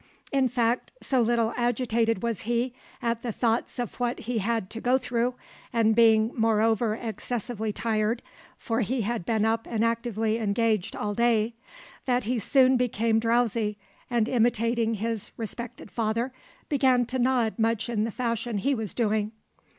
In fact, so little agitated was he at the thoughts of what he had to go through, and being moreover excessively tired, for he had been up and actively engaged all day, that he soon became drowsy, and imitating his respected father, began to nod much in the fashion he was doing.